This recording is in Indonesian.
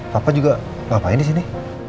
papa juga ngapain di sini